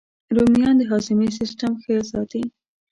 رومیان د هاضمې سیسټم ښه ساتي